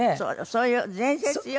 そういう伝説よ。